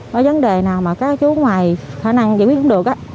có vấn đề nào mà các chú ngoài khả năng giải quyết cũng được